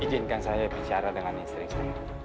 izinkan saya bicara dengan istri saya